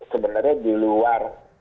sebenarnya di luar